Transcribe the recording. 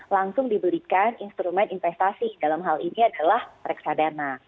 langsung diberikan instrumen investasi dalam hal ini adalah reksadana